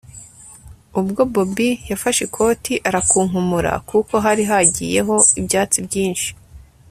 ubwo bobi yafashe ikoti arakunkumura kuko hari hagiyeho ibyatsi byinshi